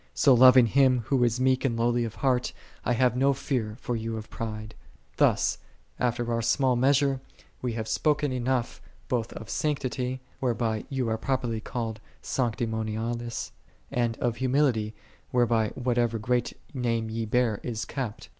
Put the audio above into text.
So loving Him Who is meek and lowly of heart, I have no fear for you of pride. 57. Thus, after our small measure, we have spoken enough both of sanctity, where by ye are properly called " sanctimoniales," and of humility, whereby whatever great name ye bear is kept.